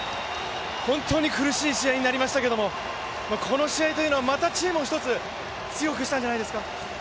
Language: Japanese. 本当に苦しい試合になりましたけど、この試合というのはまたチームを一つ、強くしたんじゃないですか？